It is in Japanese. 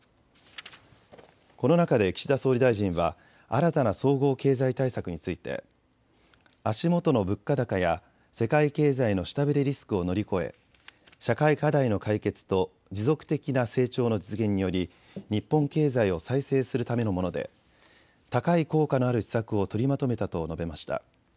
この中で岸田総理大臣は新たな総合経済対策について足元の物価高や世界経済の下振れリスクを乗り越え社会課題の解決と持続的な成長の実現により日本経済を再生するためのもので高い効果のある施策を取りまとめたと述べました。